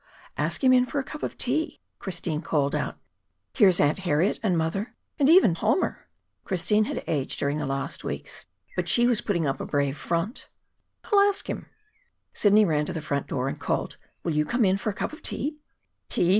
"Ask him in for a cup of tea," Christine called out. "Here's Aunt Harriet and mother and even Palmer!" Christine had aged during the last weeks, but she was putting up a brave front. "I'll ask him." Sidney ran to the front door and called: "Will you come in for a cup of tea?" "Tea!